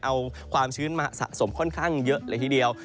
เอาความชื้นมาสะสมค่อนข้างเยอะเลยทีเดียว